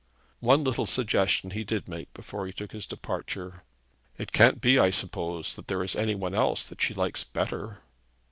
One little suggestion he did make before he took his departure. 'It can't be, I suppose, that there is any one else that she likes better?'